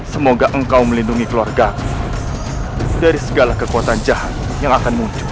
semoga engkau melindungi keluarga dari segala kekuatan jahat yang akan muncul